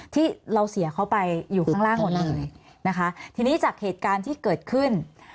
ที่เราเสียเขาไปอยู่ข้างล่างหมดเลยนะคะทีนี้จากเหตุการณ์ที่เกิดขึ้น